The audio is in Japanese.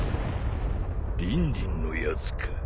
リンリンのやつか。